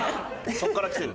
そこからきてる？